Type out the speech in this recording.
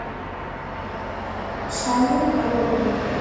شایەنی ئەوە بوو.